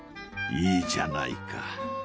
［いいじゃないか］